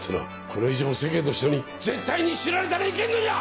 これ以上世間の人に絶対に知られたらいけんのじゃ！